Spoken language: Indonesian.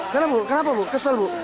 kenapa bu kenapa bu kesel bu